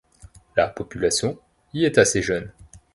La population y est assez jeune.